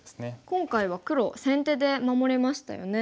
今回は黒先手で守れましたよね。